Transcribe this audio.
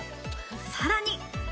さらに。